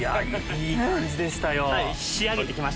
いい感じでしたよ。